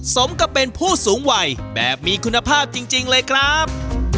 สมกับเป็นผู้สูงวัยแบบมีคุณภาพจริงเลยครับ